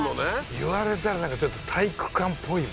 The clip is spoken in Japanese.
言われたらなんかちょっと体育館ぽいよね